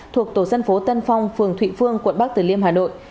thuộc tổ dân phố tân phong phường thụy phương quận bắc tử liêm hà nội